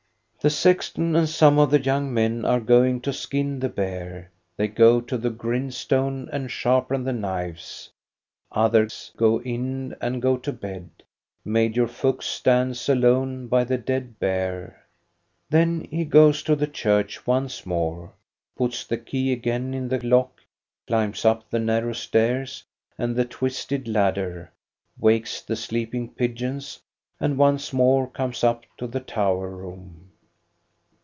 The sexton and some of the young men are going to skin the bear; they go to the grindstone and sharpen the knives. Others go in and go to bed. Major Fuchs stands alone by the dead bear. 136 THE STORY OF GOSTA BERLING Then he goes to the church once more, puts the key again in the lock, climbs up the narrow stairs and the twisted ladder, wakes the sleeping pigeons, and once more comes up to the tower room.